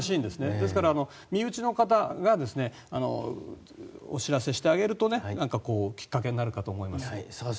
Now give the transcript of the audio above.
ですから、身内の方がお知らせしてあげるときっかけになるかと思います。